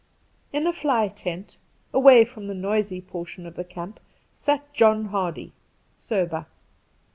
In a fly tent, away from the noisy portion of the camp, sat John Hardy — sober.